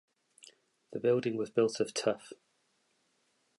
The building was built of tuff.